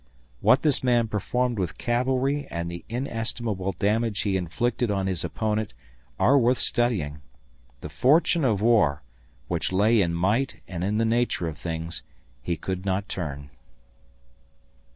What this man performed with cavalry and the inestimable damage he inflicted on his opponent are worth studying. The fortune of war, which lay in might and in the nature of things, he could not turn.